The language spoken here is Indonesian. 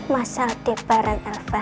masa udah parah alva